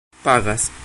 pagas